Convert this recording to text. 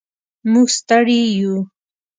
موږ ستړي و.